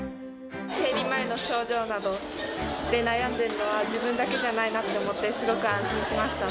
生理前の症状などで悩んでるのは自分だけじゃないなと思って、すごく安心しました。